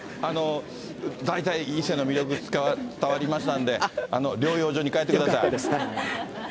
大体、伊勢の魅力が伝わりましたんで、療養所に帰ってください。